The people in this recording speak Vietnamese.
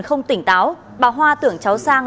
không tỉnh táo bà hoa tưởng cháu sang